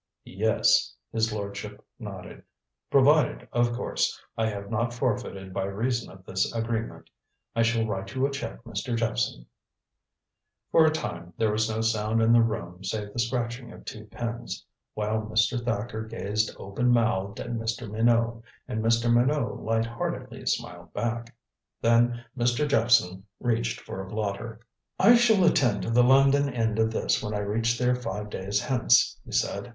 "Yes." His lordship nodded. "Provided, of course, I have not forfeited by reason of this agreement. I shall write you a check, Mr. Jephson." For a time there was no sound in the room save the scratching of two pens, while Mr. Thacker gazed open mouthed at Mr. Minot, and Mr. Minot light heartedly smiled back. Then Mr. Jephson reached for a blotter. "I shall attend to the London end of this when I reach there five days hence," he said.